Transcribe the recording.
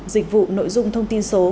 dịch vụ nội dung thông tin số